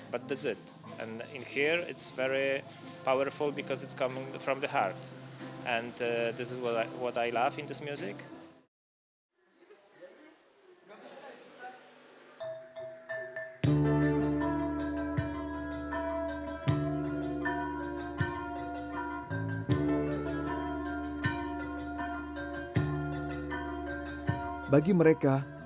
kualitas tanah raja minyak